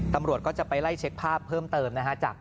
ตำรวจก็จะไปไล่เช็คภาพเพิ่มเติมนะฮะ